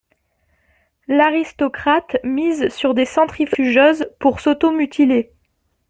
L'aristocrate mise sur des centrifugeuses pour s'auto-mutiler.